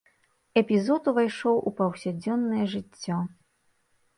Эпізод увайшоў у паўсядзённае жыццё.